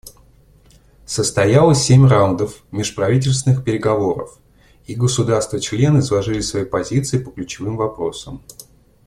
Состоялось семь раундов межправительственных переговоров, и государства-члены изложили свои позиции по ключевым вопросам.